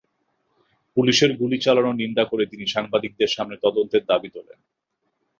পুলিশের গুলি চালনার নিন্দা করে তিনি সাংবাদিকদের সামনে তদন্তের দাবি তোলেন।